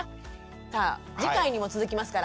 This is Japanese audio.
さあ次回にも続きますから。